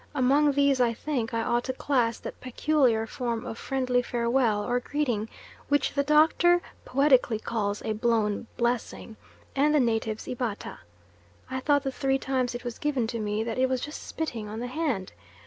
Among these I think I ought to class that peculiar form of friendly farewell or greeting which the Doctor poetically calls a "blown blessing" and the natives Ibata. I thought the three times it was given to me that it was just spitting on the hand.